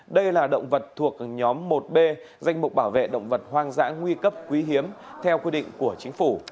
đây là động vật thuộc nhóm một b danh mục bảo vệ động vật hoang dã nguy cấp quý hiếm theo quy định của chính phủ